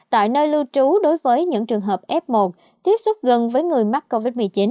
tại nơi lưu trú đối với những trường hợp f một tiếp xúc gần với người mắc covid một mươi chín